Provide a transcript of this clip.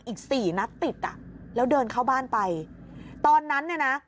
อีกสี่นัดติดอ่ะแล้วเดินเข้าบ้านไปตอนนั้นเนี่ยนะ